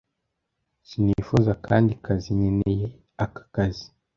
sinifuza akandi kazi. nkeneye aka kazi.